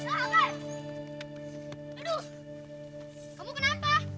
aduh kamu kenapa